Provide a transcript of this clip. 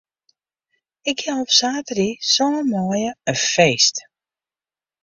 Ik jou op saterdei sân maaie in feest.